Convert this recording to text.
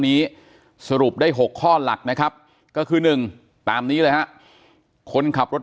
นี้สรุปได้๖ข้อหลักนะครับก็คือ๑ตามนี้เลยฮะคนขับรถ